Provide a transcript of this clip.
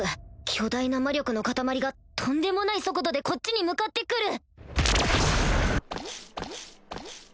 巨大な魔力の塊がとんでもない速度でこっちに向かって来る！